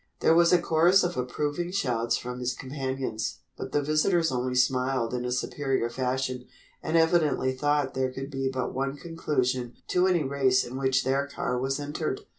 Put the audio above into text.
There was a chorus of approving shouts from his companions, but the visitors only smiled in a superior fashion, and evidently thought there could be but one conclusion to any race in which their car was entered.